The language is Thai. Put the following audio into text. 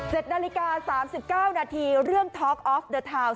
นาฬิกาสามสิบเก้านาทีเรื่องท็อกออฟเดอร์ทาวน์